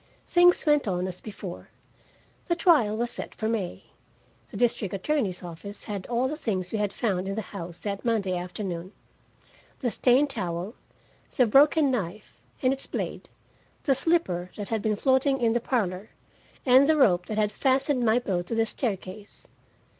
Things went on as before. The trial was set for May. The district attorney's office had all the things we had found in the house that Monday afternoon the stained towel, the broken knife and its blade, the slipper that had been floating in the parlor, and the rope that had fastened my boat to the staircase.